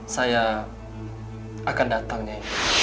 saya akan datangnya